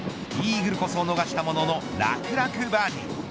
イーグルこそ逃したものの楽々バーディー。